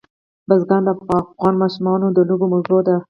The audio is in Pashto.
بزګان د افغان ماشومانو د لوبو موضوع ده.